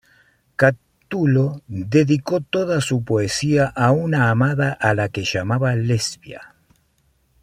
Catulo dedicó toda su poesía a una amada a la que llamaba Lesbia.